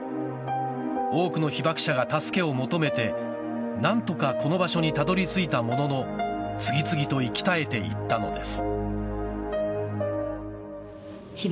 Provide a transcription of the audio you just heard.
多くの被爆者が助けを求めて何とかこの場所にたどり着いたものの次々と息絶えていったのです。